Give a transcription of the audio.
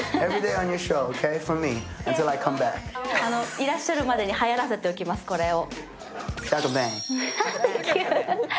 いらっしゃるまでにはやらせておきます、これを。